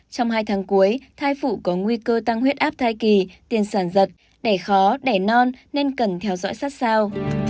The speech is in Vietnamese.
trong hai tháng cuối thai phụ có nguy cơ tăng huyết áp thai kỳ tiền sản giật đẻ khó đẻ non nên cần theo dõi sát sao